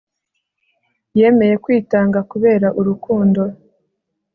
yemeye kwitanga kubera urukundo